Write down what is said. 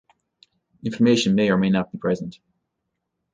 Inflammation may or may not be present.